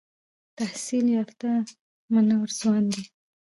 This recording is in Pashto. تحصیل یافته او منور ځوان دی.